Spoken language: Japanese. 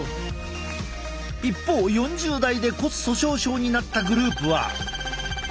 一方４０代で骨粗しょう症になったグループは。